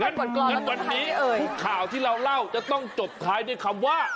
งั้นวันนี้ทุกข่าวที่เราเล่าจะต้องจบท้ายด้วยคำว่า